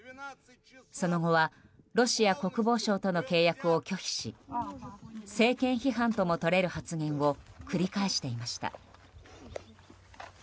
その後はロシア国防省との契約を拒否し政権批判ともとれる発言を繰り返していました。